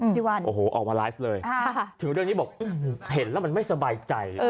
วันโอ้โหออกมาไลฟ์เลยถึงเรื่องนี้บอกเห็นแล้วมันไม่สบายใจ